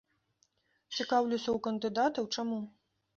Цікаўлюся ў кандыдатаў, чаму.